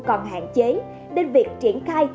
còn hạn chế nên việc triển khai